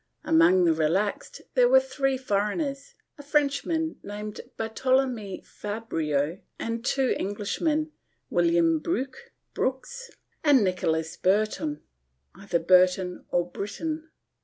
Among the relaxed there were three foreigners — a Frenchman named Bartolome Fabreo and two Englishmen, William Bruq (Brooks) and Nicolas Bertoun (Burton or Britton).